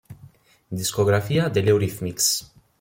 Discografia degli Eurythmics